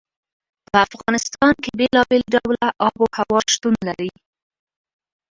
په افغانستان کې بېلابېل ډوله آب وهوا شتون لري.